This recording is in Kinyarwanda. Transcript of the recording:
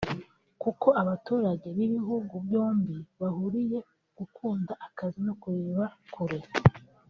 kuko abaturage b’ibihugu byombi bahuriye ku gukunda akazi no kureba kure